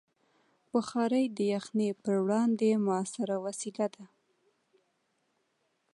بخاري د یخنۍ پر وړاندې مؤثره وسیله ده.